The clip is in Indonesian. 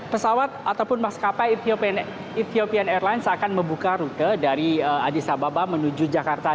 pesawat ataupun maskapai ethiopian airlines akan membuka rute dari addis ababa menuju jakarta